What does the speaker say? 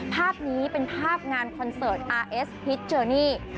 ภาพนี้เป็นภาพงานคอนเสิร์ตอาร์เอสฮิตเจอนี่